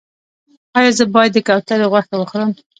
ایا زه باید د کوترې غوښه وخورم؟